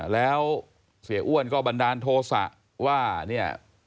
แล้วเสียอ้วนก็บันดาลโทษะว่าเนี่ย